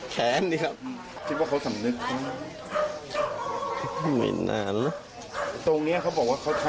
คนเมาไม่ใช่อย่างนี้หรอกด่าไปนิดนึงครับ